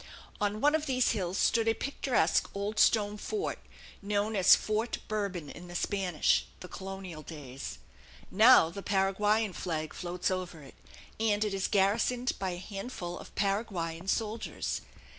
On one of these hills stood a picturesque old stone fort, known as Fort Bourbon in the Spanish, the colonial, days. Now the Paraguayan flag floats over it, and it is garrisoned by a handful of Paraguayan soldiers.